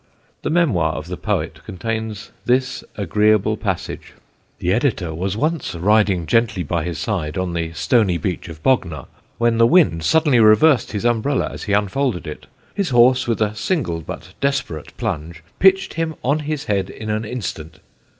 The memoir of the poet contains this agreeable passage: "The Editor was once riding gently by his side, on the stony beach of Bognor, when the wind suddenly reversed his umbrella as he unfolded it; his horse, with a single but desperate plunge, pitched him on his head in an instant....